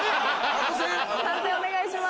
判定お願いします。